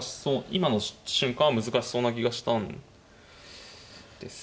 今の瞬間は難しそうな気がしたんですよね。